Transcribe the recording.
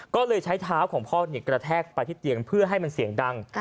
ก็เลยใช้เท้าของพ่อกระแทกไปที่เตียงเพื่อให้มันเสียงดัง